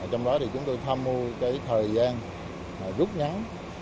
trong đó chúng tôi tham mưu thời gian rút ngắn